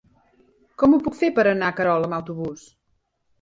Com ho puc fer per anar a Querol amb autobús?